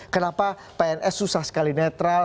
kenapa pns susah sekali netral